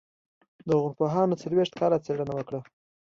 لرغونپوهانو څلوېښت کاله څېړنه وکړه.